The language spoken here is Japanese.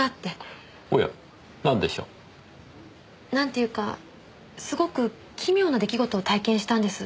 おや何でしょう？なんていうかすごく奇妙な出来事を体験したんです。